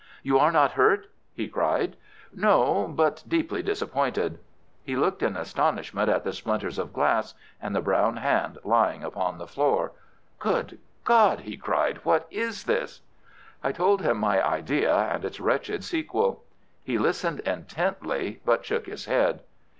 "You are not hurt?" he cried. "No—but deeply disappointed." He looked in astonishment at the splinters of glass, and the brown hand lying upon the floor. "Good God!" he cried. "What is this?" I told him my idea and its wretched sequel. He listened intently, but shook his head.